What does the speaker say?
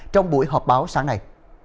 trong buổi họp báo sáng nay